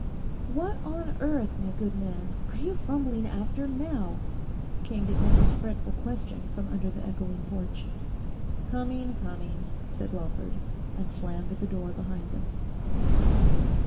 'What on earth, my good man, are you fumbling after now?' came the almost fretful question from under the echoing porch. 'Coming, coming,' said Lawford, and slammed the door behind them.